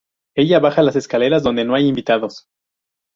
Ella baja las escaleras, donde no hay invitados.